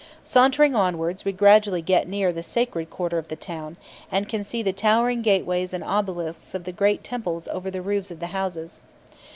Sauntering onwards, we gradually get near to the sacred quarter of the town, and can see the towering gateways and obelisks of the great temples over the roofs of the houses.